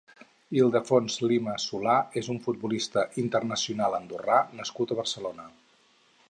Ildefons Lima Solà és un futbolista internacional andorrà nascut a Barcelona.